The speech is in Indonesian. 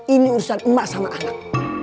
ini urusan emak sama anak